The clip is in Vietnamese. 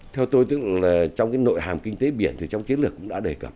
theo tôi trong nội hàm kinh tế biển thì trong chiến lược cũng đã đề cập